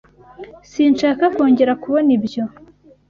Sinshaka kongera kubona ibyo.